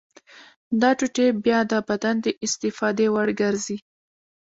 دا ټوټې بیا د بدن د استفادې وړ ګرځي.